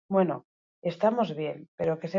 Egitura natural asko fraktal erakoak dira.